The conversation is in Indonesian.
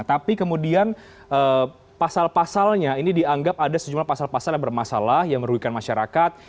tapi kemudian pasal pasalnya ini dianggap ada sejumlah pasal pasal yang bermasalah yang merugikan masyarakat